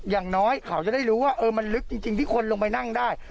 อย่างน้อยเขาจะได้รู้ว่ามันลึกจริงที่คนลงไปนั่งได้